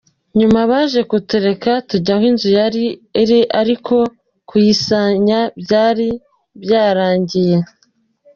Nyuma baje kutureka tujya aho inzu yari iri ariko kuyisenya byari bayrangiye.